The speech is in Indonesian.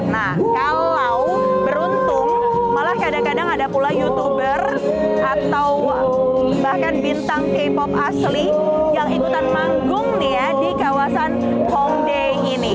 nah kalau beruntung malah kadang kadang ada pula youtuber atau bahkan bintang k pop asli yang ikutan manggung nih ya di kawasan hongdae ini